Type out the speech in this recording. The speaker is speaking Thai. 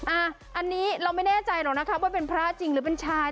อันนี้เราไม่แน่ใจหรอกนะคะว่าเป็นพระจริงหรือเป็นชาย